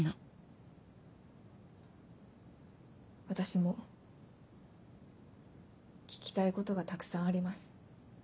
私も聞きたいことがたくさんあります。